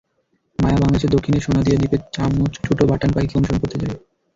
মায়া বাংলাদেশের দক্ষিনের সোনাদিয়া দ্বীপে চামচঠুঁটো বাটান পাখিকে অনুসরণ করতে যায়।